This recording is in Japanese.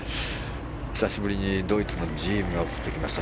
久しぶりに、ドイツのジームが映ってきました。